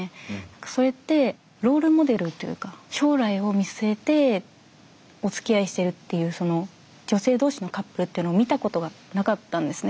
それってロール・モデルというか将来を見据えておつきあいしてるっていうその女性同士のカップルっていうのを見たことがなかったんですね。